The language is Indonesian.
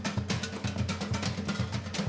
ada satu lagi